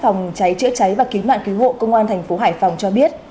phòng cảnh sát phòng cháy chữa cháy và cứu nạn cứu hộ công an tp hải phòng cho biết